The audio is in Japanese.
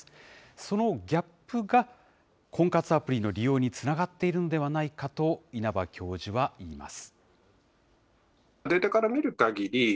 そのギャップが婚活アプリの利用につながっているんではないかと、稲葉教授は言います。